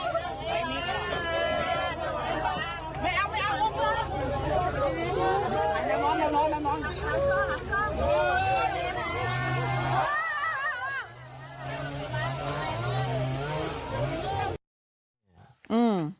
บ๊วยต้องการคุณผู้ชมว่าจะเล่น